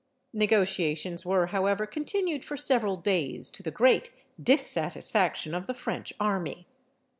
Negotiations were, however, continued for several days, to the great dissatisfaction of the French army.